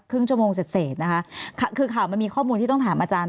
ชั่วโมงเสร็จเสร็จนะคะคือข่าวมันมีข้อมูลที่ต้องถามอาจารย์